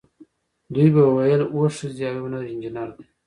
دوی به ویل اوه ښځې او یو نر انجینر دی.